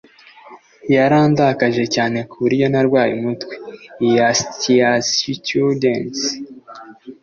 Yarandakaje cyane ku buryo narwaye umutwe. (eastasiastudent)